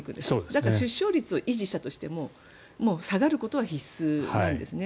だから出生数を維持したとしても下がることは必須なんですね。